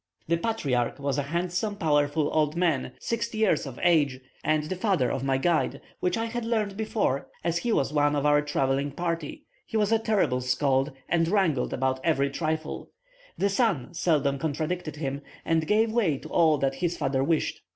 The patriarch was a handsome, powerful old man, sixty years of age, and the father of my guide, which I had learnt before, as he was one of our travelling party; he was a terrible scold, and wrangled about every trifle; the son seldom contradicted him, and gave way to all that his father wished.